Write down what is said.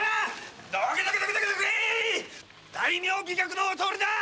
大名飛脚のお通りだ。